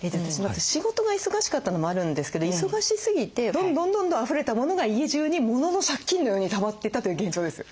仕事が忙しかったのもあるんですけど忙しすぎてどんどんどんどんあふれたモノが家中にモノの借金のようにたまっていったという現状です。